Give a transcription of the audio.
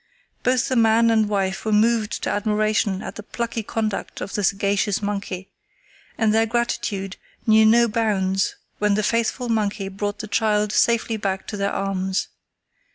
Both the man and wife were moved to admiration at the plucky conduct of the sagacious monkey, and their gratitude knew no bounds when the faithful monkey brought the child safely back to their arms.